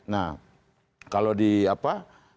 nah kalau di apa